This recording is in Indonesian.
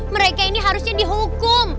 mereka ini harusnya dihukum